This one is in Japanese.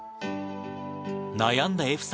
悩んだ笑